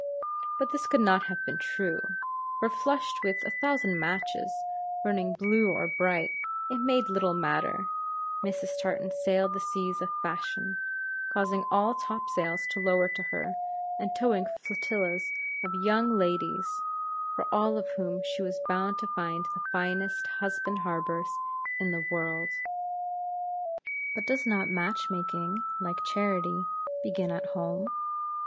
But this could not have been true; for, flushed with a thousand matches burning blue or bright, it made little matter Mrs. Tartan sailed the seas of fashion, causing all topsails to lower to her; and towing flotillas of young ladies, for all of whom she was bound to find the finest husband harbors in the world. But does not match making, like charity, begin at home?